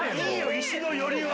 石の寄りは！